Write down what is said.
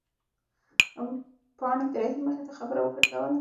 پاڼې د رحیم مخې ته خبره ورګرځوله.